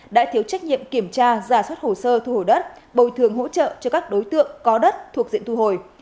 đã thiếu trách nhiệm kiểm tra giả soát hồ sơ thu hồi đất bồi thường hỗ trợ cho các đối tượng có đất thuộc diện thu hồi